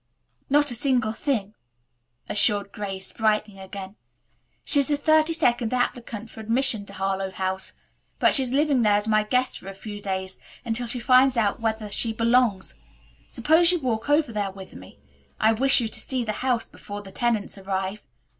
"Not a single thing," assured Grace brightening again. "She's the thirty second applicant for admission to Harlowe House, but she's living there as my guest for a few days until she finds out whether she 'belongs.' Suppose you walk over there with me. I wish you to see the house before the tenants arrive.